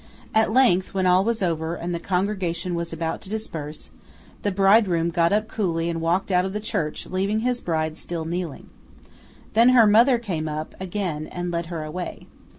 At length, when all was over, and the congregation was about to disperse, the bridegroom got up quite coolly and walked out of the church, leaving his bride still kneeling. Then her mother came up again, and led her away.